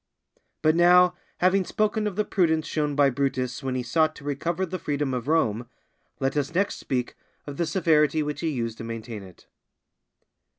But now, having spoken of the prudence shown by Brutus when he sought to recover the freedom of Rome, let us next speak of the severity which he used to maintain it.